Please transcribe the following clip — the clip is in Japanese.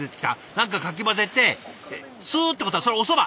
何かかき混ぜてスッてことはそれおそば！